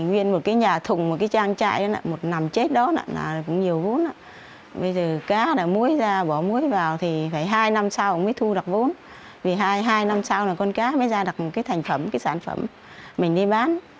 vì hai năm sau là con cá mới ra đặt một cái sản phẩm mình đi bán